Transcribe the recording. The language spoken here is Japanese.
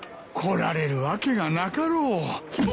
来られるわけがなかろう。